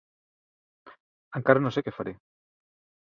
Encara no sé què faré.